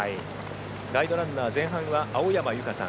ガイドランナー前半は青山由佳さん。